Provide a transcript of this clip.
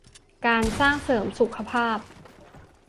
การสร้างเสริมสุขภาพ